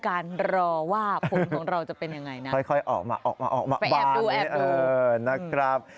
การรอว่าผูมของเราจะเป็นยังไงค่อยออกมาบ้าน